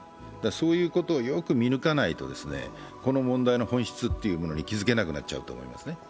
そういうことをよく見抜かないとこの問題の本質に気づけなくなると思います。